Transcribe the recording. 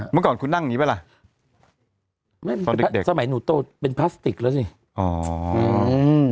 เมื่อก่อนคุณนั่งอย่างงี้ป่ะล่ะไม่มีสมัยหนูโตเป็นพลาสติกแล้วสิอ๋ออืม